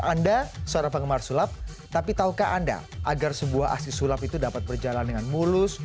anda seorang penggemar sulap tapi tahukah anda agar sebuah aksi sulap itu dapat berjalan dengan mulus